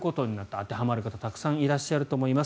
当てはまる方、たくさんいらっしゃると思います。